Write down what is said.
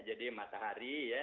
jadi matahari ya